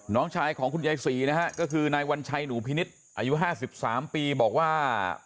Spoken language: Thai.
น้องชายของคุณยายศรีนะฮะก็คือนายวัญชัยหนูพินิษฐ์อายุ๕๓ปีบอกว่า